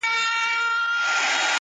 ماته دي د سر په بيه دوه جامه راکړي دي~